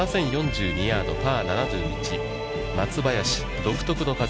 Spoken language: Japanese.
７０４２ヤード、パー７１。松林、独特の風。